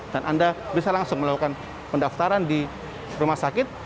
dan anda bisa langsung melakukan pendaftaran di rumah sakit